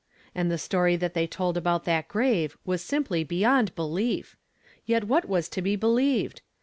And the story that thev tow a out that grave was sin.ply ,eyo'nd belief! yet what was to be believed?